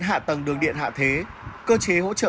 hạ tầng đường điện hạ thế cơ chế hỗ trợ